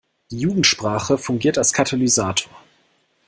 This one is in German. Die Jugendsprache fungiert als Katalysator.